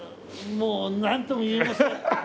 もうなんとも言えません。